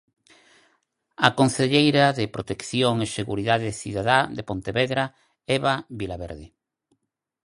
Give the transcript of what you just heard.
A concelleira de Protección e Seguridade Cidadá de Pontevedra, Eva Vilaverde.